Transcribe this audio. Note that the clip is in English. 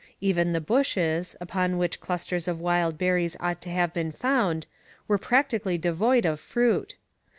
Even the bushes, upon which clusters of wild berries ought to have been found, were practically devoid of fruit.